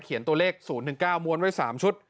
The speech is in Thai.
เขียนตัวเลข๐๑๙มวลไว้๓ชุด